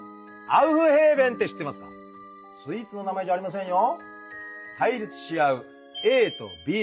スイーツの名前じゃありませんよ。